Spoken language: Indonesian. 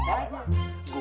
kalian lihat kan